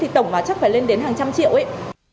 thì tổng mà chắc phải lên đến hàng trăm triệu ấy